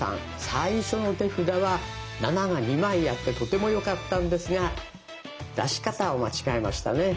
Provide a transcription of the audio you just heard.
最初の手札は「７」が２枚あってとてもよかったんですが出し方を間違えましたね。